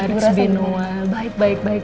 it's been a while baik baik baik